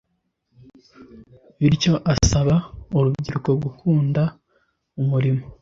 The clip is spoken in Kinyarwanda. bityo asaba urubyiruko gukunda umurimo